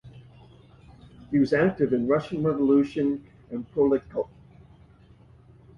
He was active in Russian Revolution and Proletkult.